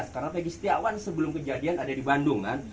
karena pegi setiawan sebelum kejadian ada di bandung kan